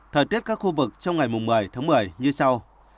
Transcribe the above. thời tiết các khu vực trong ngày một mươi tháng một mươi như sau